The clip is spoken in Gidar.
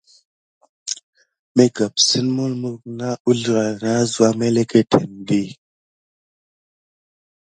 Mi kəpsen melmukdi mulmuk na əzlrah na əsva məleketen di.